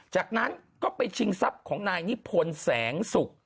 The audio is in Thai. จากนั้นก็ไปชิงทรัพย์ของนายนิพนธ์แสงสุก